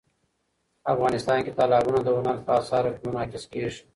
افغانستان کې تالابونه د هنر په اثار کې منعکس کېږي.